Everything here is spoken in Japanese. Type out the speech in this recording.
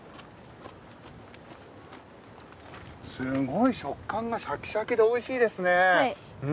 すごい食感がシャキシャキでおいしいですね。